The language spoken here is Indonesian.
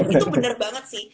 itu bener banget sih